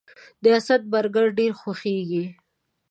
د اسد برګر ډیر خوښیږي